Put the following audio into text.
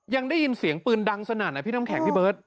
ยังได้ยินเสียงปืนดังสนั่นนะพี่น้ำแข็งพี่เบิร์ต